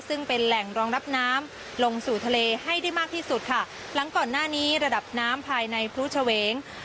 ซึ่งเป็นแหล่งรองรับน้ำลงสู่ทะเลให้ได้มากที่สุดค่ะหลังก่อนหน้านี้ระดับน้ำภายในพลุเฉวง